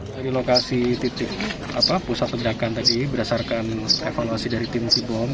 dari lokasi titik pusat ledakan tadi berdasarkan evaluasi dari tim si bom